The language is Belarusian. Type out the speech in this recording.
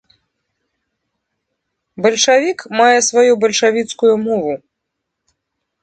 Бальшавік мае сваю бальшавіцкую мову.